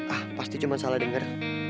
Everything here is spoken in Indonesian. ah pasti cuma salah dengar